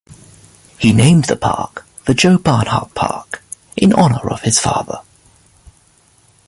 He named the park the Joe Barnhart Park in honor of his father.